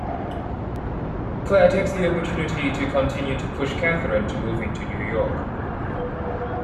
Claire takes the opportunity to continue to push Catherine to moving to New York.